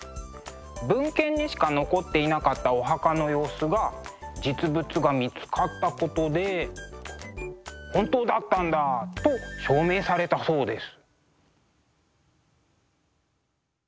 文献にしか残っていなかったお墓の様子が実物が見つかったことで「本当だったんだ！」と証明されたそうです。